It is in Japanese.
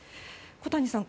小谷さん